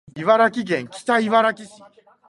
茨城県北茨城市